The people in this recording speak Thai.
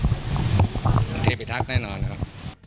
ครับเธอไปทักแน่นอนครับ